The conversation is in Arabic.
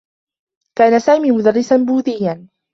كان سامي مدرّسا بوذيّا.